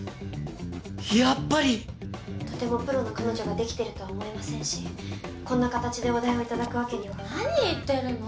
・とてもプロの彼女ができてるとは思えませんしこんな形でお代を頂くわけには何言ってるの？